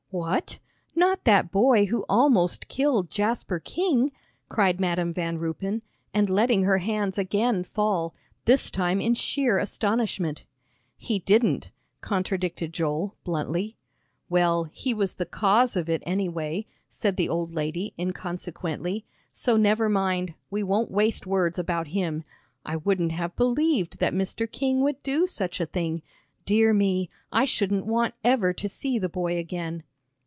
"What? Not that boy who almost killed Jasper King?" cried Madam Van Ruypen, and letting her hands again fall, this time in sheer astonishment. "He didn't," contradicted Joel, bluntly. "Well, he was the cause of it, anyway," said the old lady, inconsequently, "so never mind, we won't waste words about him. I wouldn't have believed that Mr. King would do such a thing. Dear me, I shouldn't want ever to see the boy again."